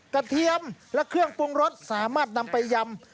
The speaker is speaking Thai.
เทียมและเครื่องปรุงรสสามารถนำไปยำ